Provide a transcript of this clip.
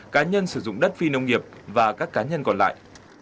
cá nhân sử dụng đất phi nông nghiệp và các cá nhân còn lại